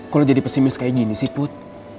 kalo jadi pesimis kayak gini sih put